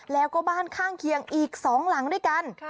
แล้วก็บ้านข้างเคียงอีก๒หลังด้วยกัน